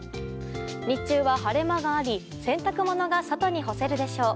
日中は、晴れ間があり洗濯物が外に干せるでしょう。